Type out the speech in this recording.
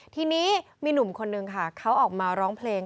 ทีนี้มีหนุ่มคนนึงค่ะเขาออกมาร้องเพลง